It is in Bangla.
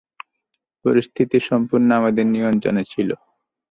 পরিস্থিতি সম্পূর্ণ আমাদের নিয়ন্ত্রনে ছিল!